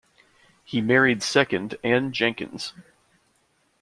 He married second Anne Jenkins.